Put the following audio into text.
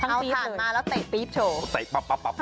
เอาถ่านมาแล้วเตะปีบโชว์